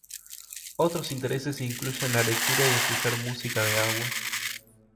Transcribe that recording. Otros intereses incluyen la lectura y escuchar música de agua.